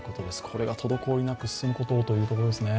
これが滞りなく進むことをというところですね。